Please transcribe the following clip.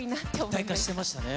一体化してましたね。